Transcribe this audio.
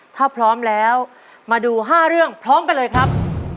ถ้าพร้อมแล้วมาดู๕เรื่องพร้อมกันเลยครับ